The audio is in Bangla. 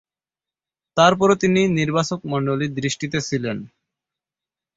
তারপরও তিনি নির্বাচকমণ্ডলীর দৃষ্টিতে ছিলেন।